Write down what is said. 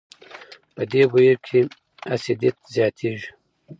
په دې بهیر کې اسیدیت زیاتېږي.